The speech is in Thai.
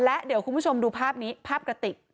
และเดี๋ยวคุณผู้ชมดูภาพนี้ภาพกระติก